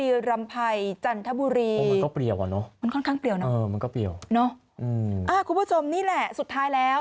มันก็เปรียวอ่ะเนอะคุณผู้ชมนี่แหละสุดท้ายแล้ว